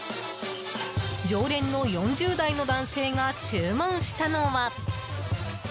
常連の４０代の男性が注文したのは。